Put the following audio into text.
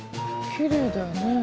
きれいだよね。